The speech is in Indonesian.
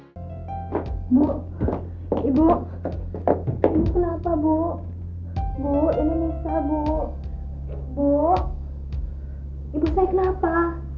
ibu ibu ibu kenapa ibu ibu ini nisa ibu ibu ibu saya kenapa